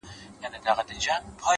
ستا وه ځوانۍ ته دي لوگى سمه زه؛